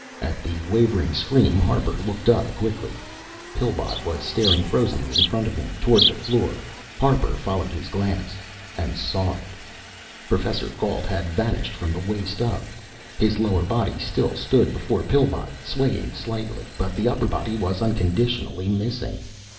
At the wavering scream, Harper looked up quickly. Pillbot was staring frozenly in front of him, toward the floor. Harper followed his glance and saw it. Professor Gault had vanished from the waist up. His lower body still stood before Pillbot, swaying slightly, but the upper body was unconditionally missing.